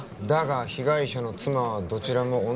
だが被害者の妻はどちらも